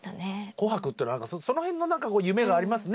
「紅白」ってその辺の夢がありますね